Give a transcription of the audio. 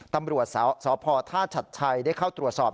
ตำรวจสอบพอร์ทธาตุชัดชัยได้เข้าตรวจสอบ